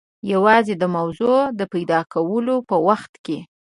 یوازې د موضوع د پیدا کېدلو په وخت کې.